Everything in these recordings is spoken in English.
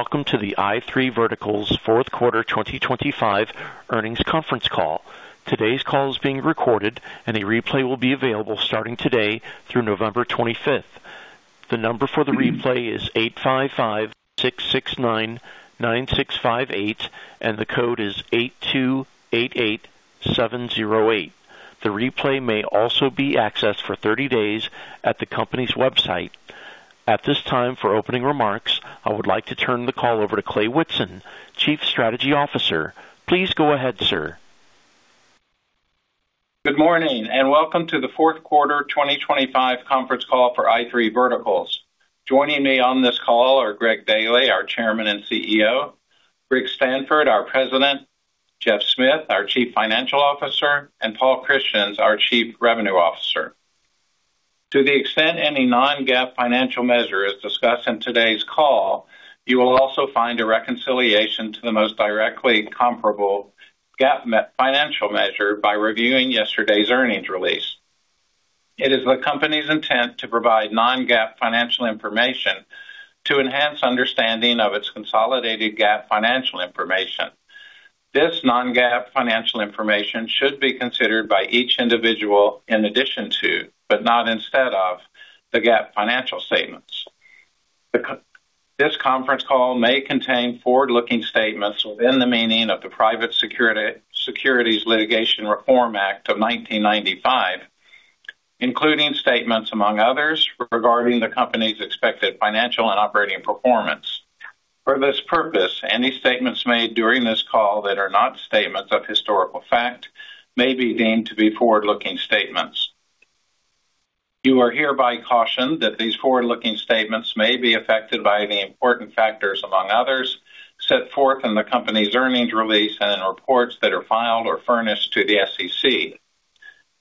Welcome to the i3 Verticals Q4 2025 earnings conference call. Today's call is being recorded, and a replay will be available *ting today through November 25. The number for the replay is 855-669-9658, and the code is 8288708. The replay may also be accessed for 30 days at the company's website. At this time, for opening remarks, I would like to turn the call over to Clay Whitson, Chief Strategy Officer. Please go ahead, sir. Good morning and welcome to the Q4 2025 conference call for i3 Verticals. Joining me on this call are Greg Daily, our Chairman and CEO; Rick Stanford, our President; Geoff Smith, our Chief Financial Officer; and Paul Christians, our Chief Revenue Officer. To the extent any non-GAAP financial measure is discussed in today's call, you will also find a reconciliation to the most directly comparable GAAP financial measure by reviewing yesterday's earnings release. It is the company's intent to provide non-GAAP financial information to enhance understanding of its consolidated GAAP financial information. This non-GAAP financial information should be considered by each individual in addition to, but not instead of, the GAAP financial statements. This conference call may contain forward-looking statements within the meaning of the Private Securities Litigation Reform Act of 1995, including statements, among others, regarding the company's expected financial and operating performance. For this purpose, any statements made during this call that are not statements of historical fact may be deemed to be forward-looking statements. You are hereby cautioned that these forward-looking statements may be affected by the important factors, among others, set forth in the company's earnings release and in reports that are filed or furnished to the SEC.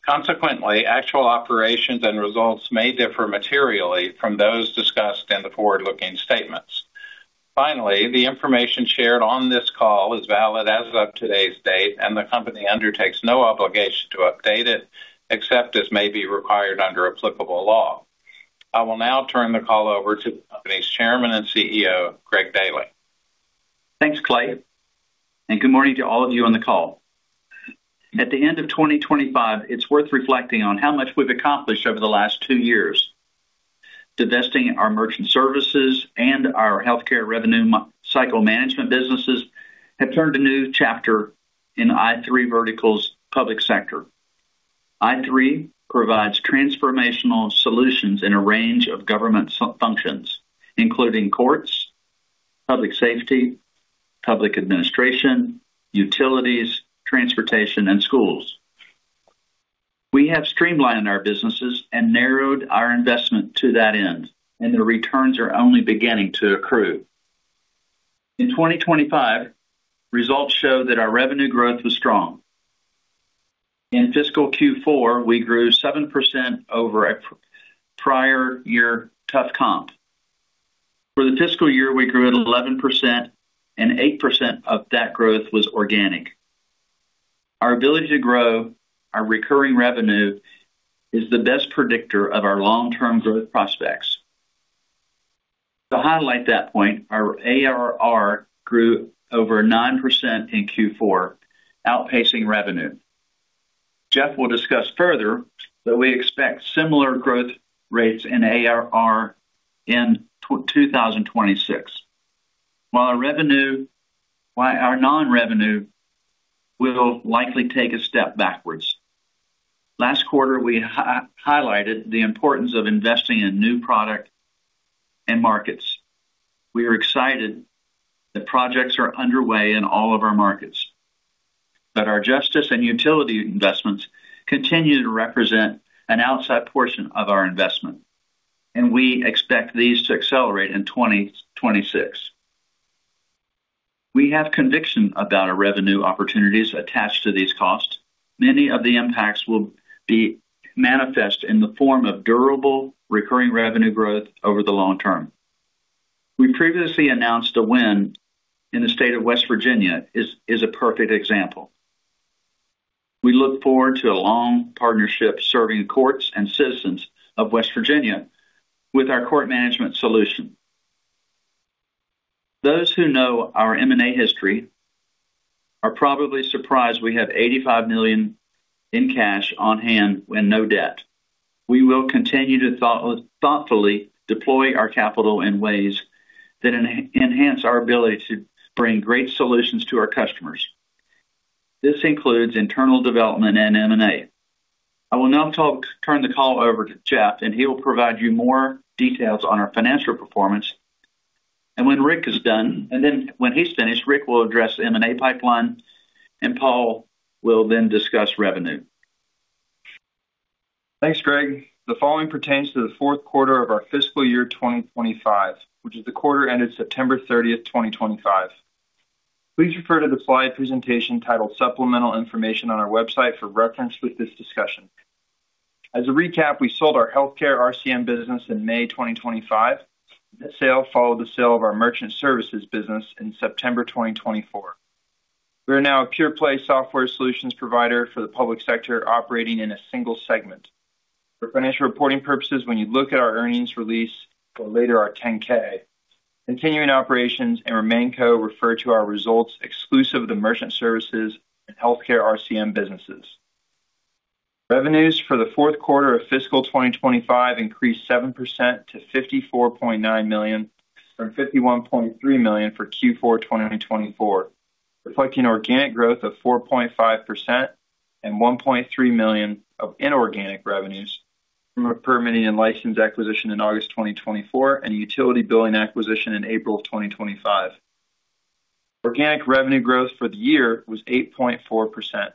Consequently, actual operations and results may differ materially from those discussed in the forward-looking statements. Finally, the information shared on this call is valid as of today's date, and the company undertakes no obligation to update it except as may be required under applicable law. I will now turn the call over to the company's Chairman and CEO, Greg Daily. Thanks, Clay, and good morning to all of you on the call. At the end of 2025, it's worth reflecting on how much we've accomplished over the last two years. Divesting our merchant services and our healthcare revenue cycle management businesses has turned a new chapter in i3 Verticals' public sector. i3 provides transformational solutions in a range of government functions, including courts, public safety, public administration, utilities, transportation, and schools. We have streamlined our businesses and narrowed our investment to that end, and the returns are only beginning to accrue. In 2025, results show that our revenue growth was strong. In fiscal Q4, we grew 7% over a prior year tough comp. For the fiscal year, we grew at 11%, and 8% of that growth was organic. Our ability to grow our recurring revenue is the best predictor of our long-term growth prospects. To highlight that point, our ARR grew over 9% in Q4, outpacing revenue. Geoff will discuss further, but we expect similar growth rates in ARR in 2026. While our non-revenue will likely take a step backwards, last quarter we highlighted the importance of investing in new products and markets. We are excited that projects are underway in all of our markets, but our justice and utility investments continue to represent an outside portion of our investment, and we expect these to accelerate in 2026. We have conviction about our revenue opportunities attached to these costs. Many of the impacts will be manifest in the form of durable recurring revenue growth over the long term. We previously announced a win in the state of West Virginia is a perfect example. We look forward to a long partnership serving courts and citizens of West Virginia with our court management solution. Those who know our M&A history are probably surprised we have $85 million in cash on hand with no debt. We will continue to thoughtfully deploy our capital in ways that enhance our ability to bring great solutions to our customers. This includes internal development and M&A. I will now turn the call over to Geoff, and he will provide you more details on our financial performance. When Rick is done, and then when he's finished, Rick will address the M&A pipeline, and Paul will then discuss revenue. Thanks, Greg. The following pertains to the Q4 of our fiscal year 2025, which is the quarter ended September 30, 2025. Please refer to the slide presentation titled Supplemental Information on our website for reference with this discussion. As a recap, we sold our healthcare RCM business in May 2025. That sale followed the sale of our merchant services business in September 2024. We are now a pure-play software solutions provider for the public sector operating in a single segment. For financial reporting purposes, when you look at our earnings release or later our 10-K, continuing operations and Remainco, refer to our results exclusive of the merchant services and healthcare RCM businesses. Revenues for the Q4 of fiscal 2025 increased 7% to $54.9 million from $51.3 million for Q4 2024, reflecting organic growth of 4.5% and $1.3 million of inorganic revenues from a permitting and license acquisition in August 2024 and utility billing acquisition in April 2025. Organic revenue growth for the year was 8.4%.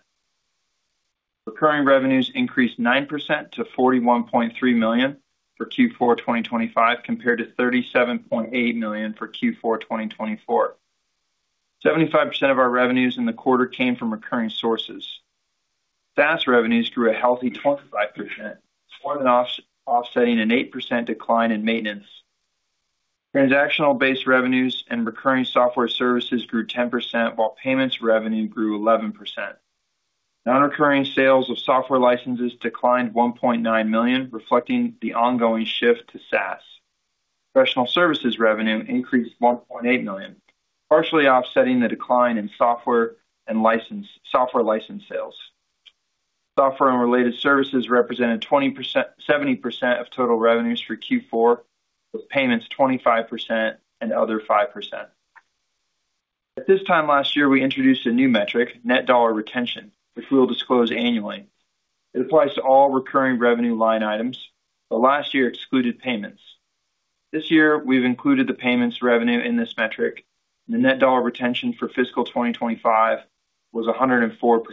Recurring revenues increased 9% to $41.3 million for Q4 2025 compared to $37.8 million for Q4 2024. 75% of our revenues in the quarter came from recurring sources. SaaS revenues grew a healthy 25%, more than offsetting an 8% decline in maintenance. Transactional-based revenues and recurring software services grew 10%, while payments revenue grew 11%. Non-recurring sales of software licenses declined $1.9 million, reflecting the ongoing shift to SaaS. Professional services revenue increased $1.8 million, partially offsetting the decline in software and license sales. Software and related services represented 70% of total revenues for Q4, with payments 25% and other 5%. At this time last year, we introduced a new metric, net dollar retention, which we will disclose annually. It applies to all recurring revenue line items, but last year excluded payments. This year, we've included the payments revenue in this metric, and the net dollar retention for fiscal 2025 was 104%.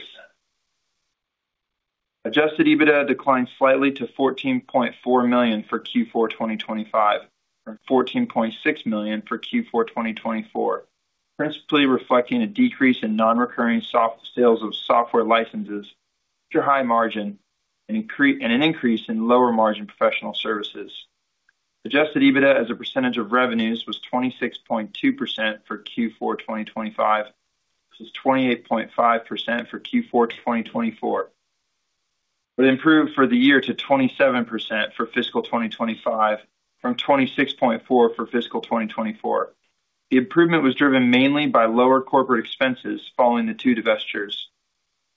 Adjusted EBITDA declined slightly to $14.4 million for Q4 2025 from $14.6 million for Q4 2024, principally reflecting a decrease in non-recurring sales of software licenses to high margin and an increase in lower margin professional services. Adjusted EBITDA as a percentage of revenues was 26.2% for Q4 2025, which is 28.5% for Q4 2024. It improved for the year to 27% for fiscal 2025 from 26.4% for fiscal 2024. The improvement was driven mainly by lower corporate expenses following the two divestitures.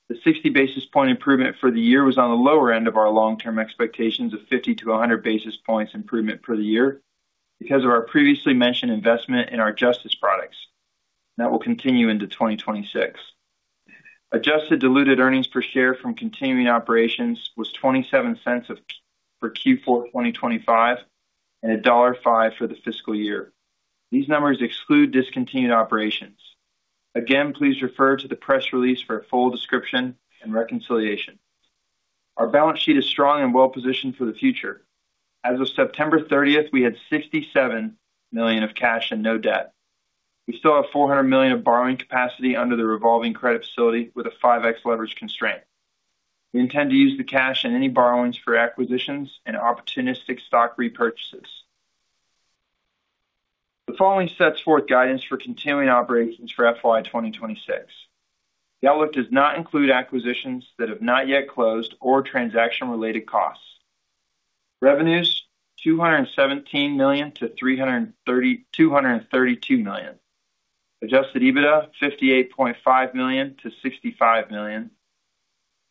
The 60 basis point improvement for the year was on the lower end of our long-term expectations of 50-100 basis points improvement per year because of our previously mentioned investment in our justice products, and that will continue into 2026. Adjusted diluted earnings per share from continuing operations was $0.27 for Q4 2025 and $1.05 for the fiscal year. These numbers exclude discontinued operations. Again, please refer to the press release for a full description and reconciliation. Our balance sheet is strong and well-positioned for the future. As of September 30th, we had $67 million of cash and no debt. We still have $400 million of borrowing capacity under the revolving credit facility with a 5x leverage constraint. We intend to use the cash and any borrowings for acquisitions and opportunistic stock repurchases. The following sets forth guidance for continuing operations for FY 2026. The outlook does not include acquisitions that have not yet closed or transaction-related costs. Revenues: $217 million-$232 million. Adjusted EBITDA: $58.5 million-$65 million.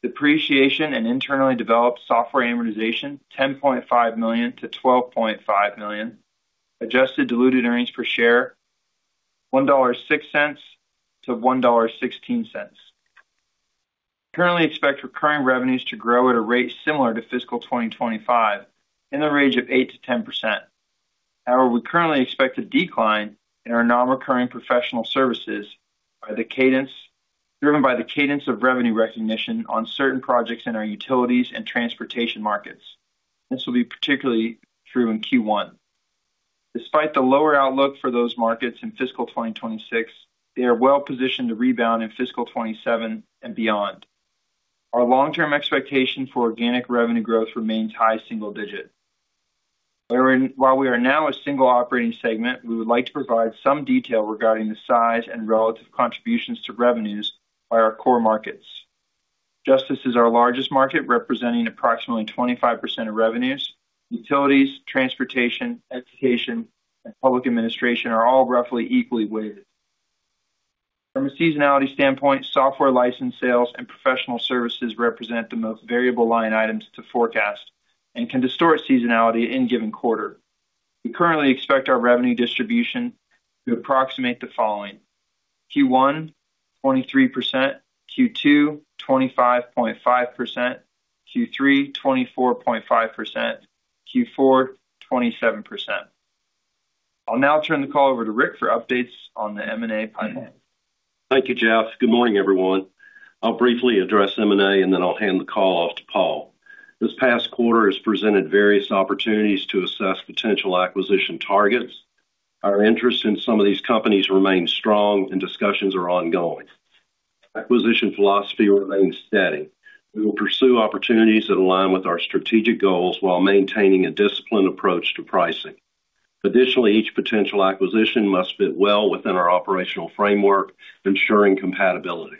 Depreciation and internally developed software amortization: $10.5 million-$12.5 million. Adjusted diluted earnings per share: $1.06-$1.16. Currently, we expect recurring revenues to grow at a rate similar to fiscal 2025 in the range of 8%-10%. However, we currently expect a decline in our non-recurring professional services driven by the cadence of revenue recognition on certain projects in our utilities and transportation markets. This will be particularly true in Q1. Despite the lower outlook for those markets in fiscal 2026, they are well-positioned to rebound in fiscal 2027 and beyond. Our long-term expectation for organic revenue growth remains high single-digit. While we are now a single operating segment, we would like to provide some detail regarding the size and relative contributions to revenues by our core markets. Justice is our largest market, representing approximately 25% of revenues. Utilities, transportation, education, and public administration are all roughly equally weighted. From a seasonality standpoint, software license sales and professional services represent the most variable line items to forecast and can distort seasonality in a given quarter. We currently expect our revenue distribution to approximate the following: Q1, 23%; Q2, 25.5%; Q3, 24.5%; Q4, 27%. I'll now turn the call over to Rick for updates on the M&A pipeline. Thank you, Geoff. Good morning, everyone. I'll briefly address M&A, and then I'll hand the call off to Paul. This past quarter has presented various opportunities to assess potential acquisition targets. Our interest in some of these companies remains strong, and discussions are ongoing. Acquisition philosophy remains steady. We will pursue opportunities that align with our strategic goals while maintaining a disciplined approach to pricing. Additionally, each potential acquisition must fit well within our operational framework, ensuring compatibility.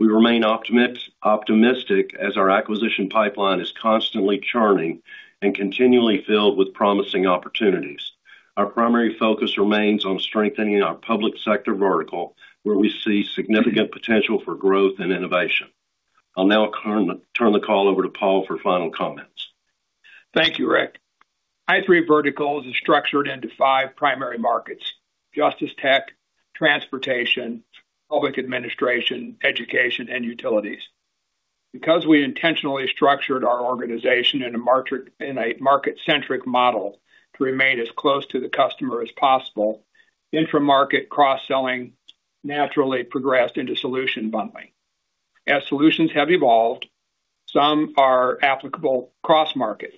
We remain optimistic as our acquisition pipeline is constantly churning and continually filled with promising opportunities. Our primary focus remains on strengthening our public sector vertical, where we see significant potential for growth and innovation. I'll now turn the call over to Paul for final comments. Thank you, Rick. i3 Verticals is structured into five primary markets: justice tech, transportation, public administration, education, and utilities. Because we intentionally structured our organization in a market-centric model to remain as close to the customer as possible, intramarket cross-selling naturally progressed into solution bundling. As solutions have evolved, some are applicable cross-market.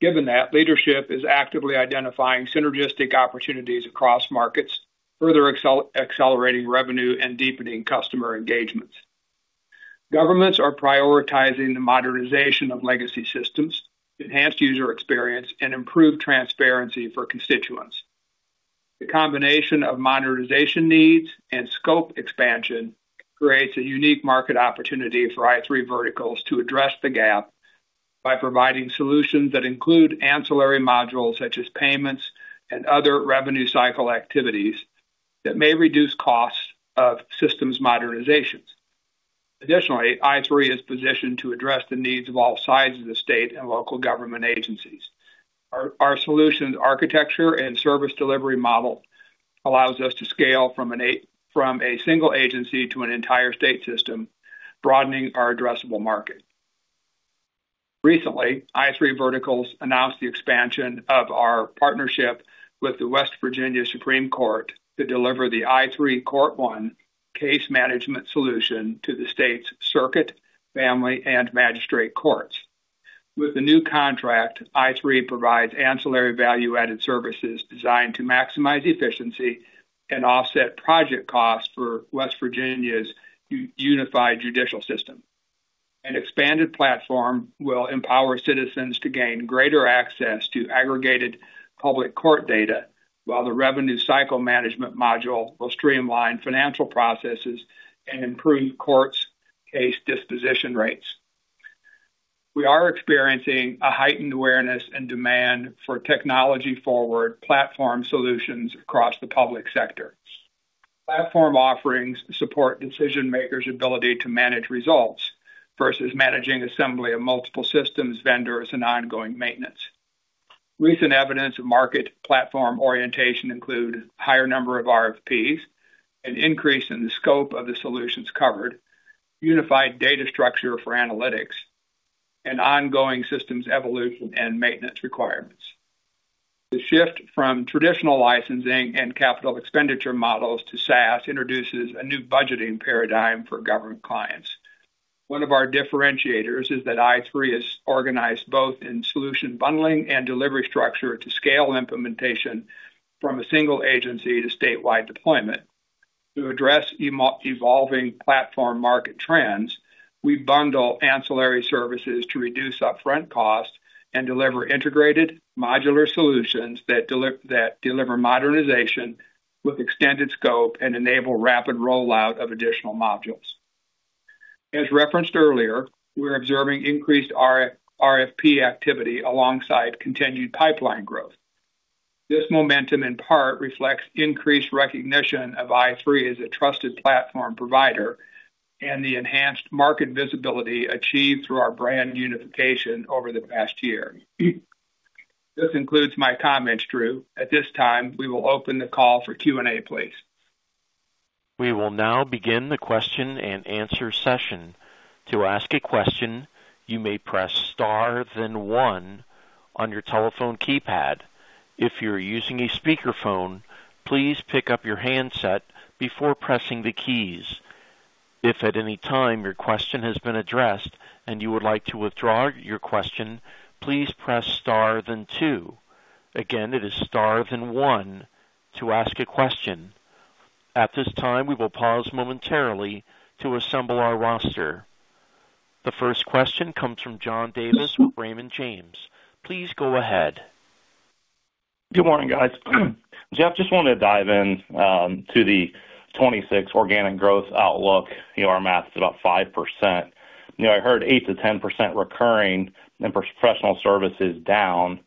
Given that, leadership is actively identifying synergistic opportunities across markets, further accelerating revenue and deepening customer engagements. Governments are prioritizing the modernization of legacy systems to enhance user experience and improve transparency for constituents. The combination of modernization needs and scope expansion creates a unique market opportunity for i3 Verticals to address the gap by providing solutions that include ancillary modules such as payments and other revenue-cycle activities that may reduce costs of systems modernizations. Additionally, i3 is positioned to address the needs of all sides of the state and local government agencies. Our solution's architecture and service delivery model allows us to scale from a single agency to an entire state system, broadening our addressable market. Recently, i3 Verticals announced the expansion of our partnership with the West Virginia Supreme Court to deliver the i3 Court One case management solution to the state's circuit, family, and magistrate courts. With the new contract, i3 provides ancillary value-added services designed to maximize efficiency and offset project costs for West Virginia's unified judicial system. An expanded platform will empower citizens to gain greater access to aggregated public court data, while the revenue-cycle management module will streamline financial processes and improve court case disposition rates. We are experiencing a heightened awareness and demand for technology-forward platform solutions across the public sector. Platform offerings support decision-makers' ability to manage results versus managing assembly of multiple systems, vendors, and ongoing maintenance. Recent evidence of market platform orientation includes a higher number of RFPs, an increase in the scope of the solutions covered, unified data structure for analytics, and ongoing systems evolution and maintenance requirements. The shift from traditional licensing and capital expenditure models to SaaS introduces a new budgeting paradigm for government clients. One of our differentiators is that i3 is organized both in solution bundling and delivery structure to scale implementation from a single agency to statewide deployment. To address evolving platform market trends, we bundle ancillary services to reduce upfront costs and deliver integrated modular solutions that deliver modernization with extended scope and enable rapid rollout of additional modules. As referenced earlier, we're observing increased RFP activity alongside continued pipeline growth. This momentum, in part, reflects increased recognition of i3 as a trusted platform provider and the enhanced market visibility achieved through our brand unification over the past year. This concludes my comments, Drew. At this time, we will open the call for Q&A, please. We will now begin the question-and-answer session. To ask a question, you may press * then one on your telephone keypad. If you're using a speakerphone, please pick up your handset before pressing the keys. If at any time your question has been addressed and you would like to withdraw your question, please press * then two. Again, it is * then one to ask a question. At this time, we will pause momentarily to assemble our roster. The first question comes from John Davis with Raymond James. Please go ahead. Good morning, guys. Geoff, just wanted to dive into the 2026 organic growth outlook. Our math is about 5%. I heard 8%-10% recurring and professional services down.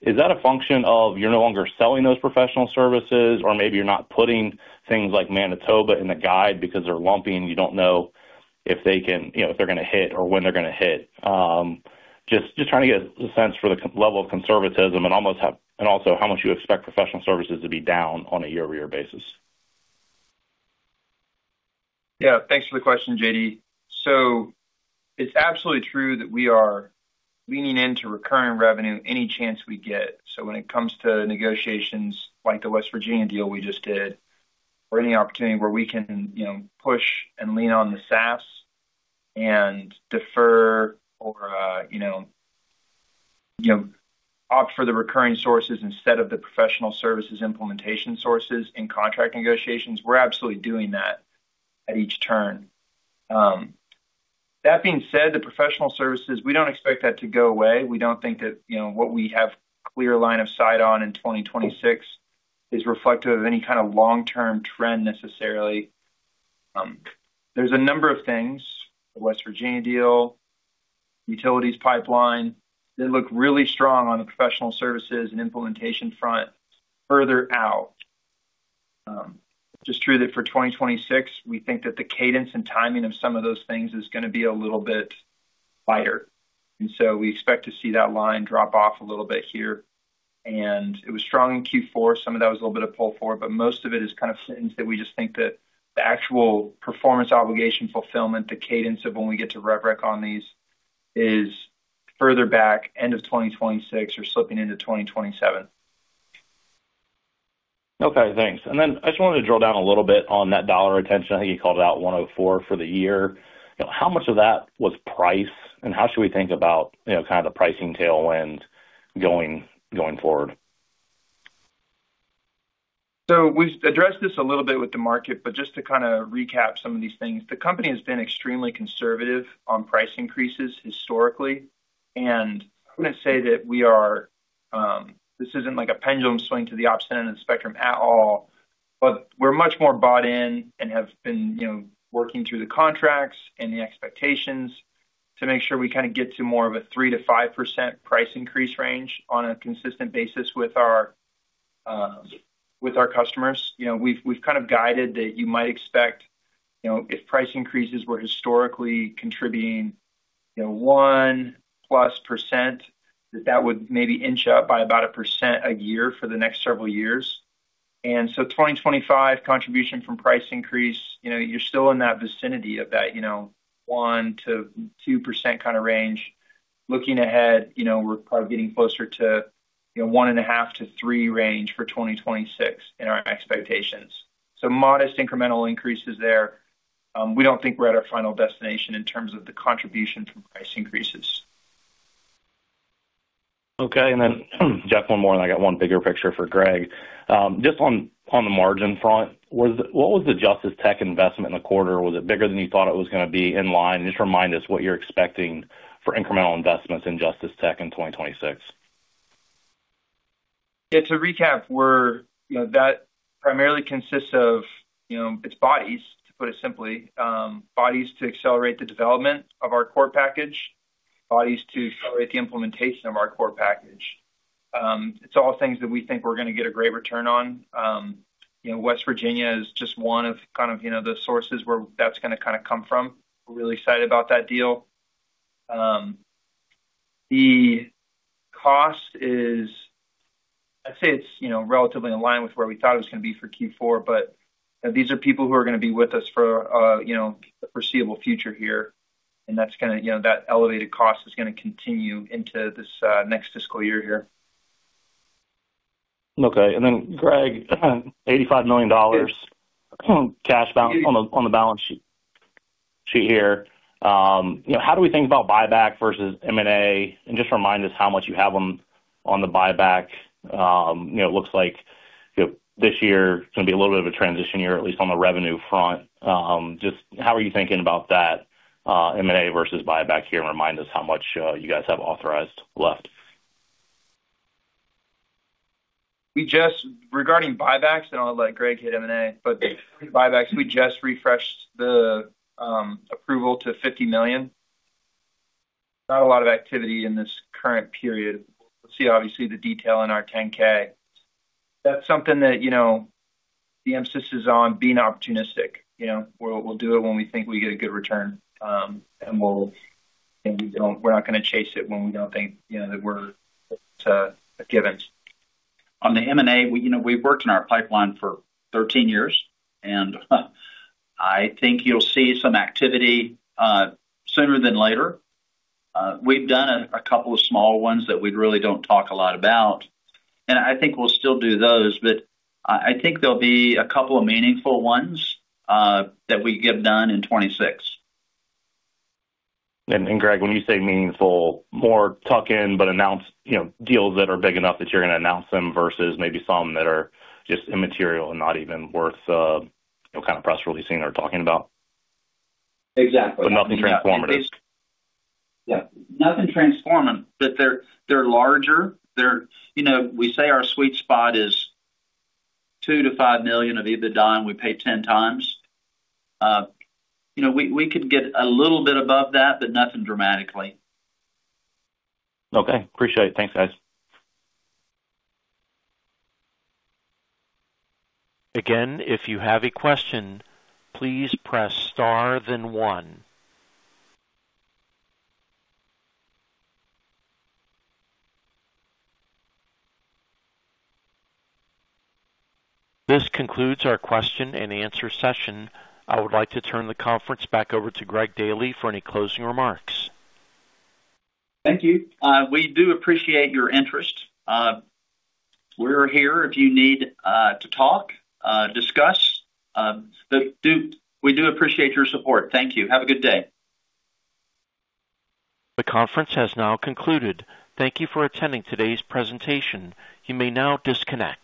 Is that a function of you're no longer selling those professional services, or maybe you're not putting things like Manitoba in the guide because they're lumpy and you don't know if they can, if they're going to hit or when they're going to hit? Just trying to get a sense for the level of conservatism and also how much you expect professional services to be down on a year-over-year basis. Yeah. Thanks for the question, JD. It is absolutely true that we are leaning into recurring revenue any chance we get. When it comes to negotiations like the West Virginia deal we just did, or any opportunity where we can push and lean on the SaaS and defer or opt for the recurring sources instead of the professional services implementation sources in contract negotiations, we are absolutely doing that at each turn. That being said, the professional services, we do not expect that to go away. We do not think that what we have a clear line of sight on in 2026 is reflective of any kind of long-term trend necessarily. There are a number of things: the West Virginia deal, utilities pipeline. They look really strong on the professional services and implementation front further out. It's just true that for 2026, we think that the cadence and timing of some of those things is going to be a little bit lighter. We expect to see that line drop off a little bit here. It was strong in Q4. Some of that was a little bit of pull forward, but most of it is kind of things that we just think that the actual performance obligation fulfillment, the cadence of when we get to rubric on these is further back, end of 2026 or slipping into 2027. Okay. Thanks. I just wanted to drill down a little bit on that dollar retention. I think you called out 104% for the year. How much of that was price, and how should we think about kind of the pricing tailwind going forward? We've addressed this a little bit with the market, but just to kind of recap some of these things, the company has been extremely conservative on price increases historically. I'm going to say that we are—this isn't like a pendulum swing to the opposite end of the spectrum at all, but we're much more bought in and have been working through the contracts and the expectations to make sure we kind of get to more of a 3%-5% price increase range on a consistent basis with our customers. We've kind of guided that you might expect if price increases were historically contributing 1% plus, that that would maybe inch up by about a percent a year for the next several years. The 2025 contribution from price increase, you're still in that vicinity of that 1%-2% kind of range. Looking ahead, we're probably getting closer to 1.5%-3% range for 2026 in our expectations. So modest incremental increases there. We don't think we're at our final destination in terms of the contribution from price increases. Okay. Geoff, one more, and I got one bigger picture for Greg. Just on the margin front, what was the justice tech investment in the quarter? Was it bigger than you thought it was going to be, in line? Just remind us what you're expecting for incremental investments in justice tech in 2026. Yeah. To recap, that primarily consists of its bodies, to put it simply, bodies to accelerate the development of our core package, bodies to accelerate the implementation of our core package. It's all things that we think we're going to get a great return on. West Virginia is just one of kind of the sources where that's going to kind of come from. We're really excited about that deal. The cost is, I'd say it's relatively in line with where we thought it was going to be for Q4, but these are people who are going to be with us for the foreseeable future here. And that's kind of that elevated cost is going to continue into this next fiscal year here. Okay. And then, Greg, $85 million cash balance on the balance sheet here. How do we think about buyback versus M&A? And just remind us how much you have on the buyback. It looks like this year is going to be a little bit of a transition year, at least on the revenue front. Just how are you thinking about that M&A versus buyback here? Remind us how much you guys have authorized left. Regarding buybacks, I don't know that Greg hit M&A, but the buybacks, we just refreshed the approval to $50 million. Not a lot of activity in this current period. We'll see, obviously, the detail in our 10K. That's something that the emphasis is on being opportunistic. We'll do it when we think we get a good return, and we're not going to chase it when we don't think that we're a given. On the M&A, we've worked in our pipeline for 13 years, and I think you'll see some activity sooner than later. We've done a couple of small ones that we really don't talk a lot about. I think we'll still do those, but I think there'll be a couple of meaningful ones that we could have done in 2026. Greg, when you say meaningful, more tuck-in but deals that are big enough that you're going to announce them versus maybe some that are just immaterial and not even worth kind of press releasing or talking about? Exactly. Nothing transformative? Yeah. Nothing transformative, but they're larger. We say our sweet spot is $2 million-$5 million of EBITDA, and we pay 10 times. We could get a little bit above that, but nothing dramatically. Okay. Appreciate it. Thanks, guys. Again, if you have a question, please press * then one. This concludes our question-and-answer session. I would like to turn the conference back over to Greg Daily for any closing remarks. Thank you. We do appreciate your interest. We're here if you need to talk, discuss. We do appreciate your support. Thank you. Have a good day. The conference has now concluded. Thank you for attending today's presentation. You may now disconnect.